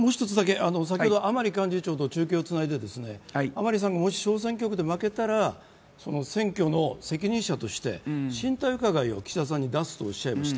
先ほど甘利幹事長と中継をつないで、甘利さんが小選挙区で負けたら選挙の責任者として進退伺を岸田さんに出すとおっしゃいました。